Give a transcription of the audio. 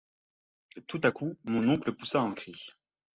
Tout à coup mon oncle poussa un cri.